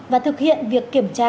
và thực hiện việc kiểm tra